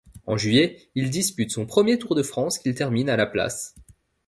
En juillet, il dispute son premier Tour de France, qu'il termine à la place.